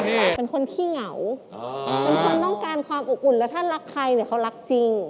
หลายคนขี้เหงาเป็นคนต้องการความอบอุ่นแล้วถ้ารักใครเนี่ยเขารักจริง